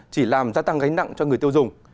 chỉ làm gia tăng gánh nặng cho người tiêu dùng